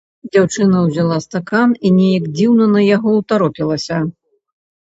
Дзяўчына ўзяла стакан і неяк дзіўна на яго ўтаропілася.